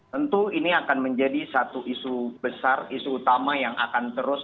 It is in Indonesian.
tentu ini akan menjadi satu isu besar isu utama yang akan terus